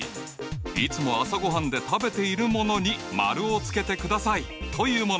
いつも朝ごはんで食べているものに丸をつけてくださいというもの。